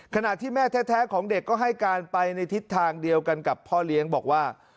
ขณะที่แม่แท้ของเด็กก็ให้การไปในทิศทางเดียวกันกับพ่อเลี้ยงบอกว่า